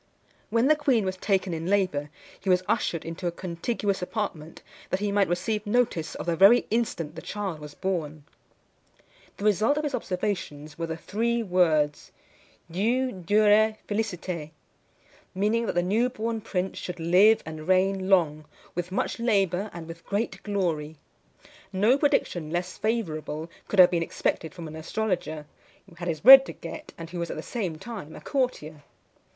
When the queen was taken in labour, he was ushered into a contiguous apartment, that he might receive notice of the very instant the child was born. The result of his observations were the three words, diu, durè, feliciter; meaning, that the new born prince should live and reign long, with much labour, and with great glory. No prediction less favourable could have been expected from an astrologer, who had his bread to get, and who was at the same time a courtier.